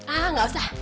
ah gak usah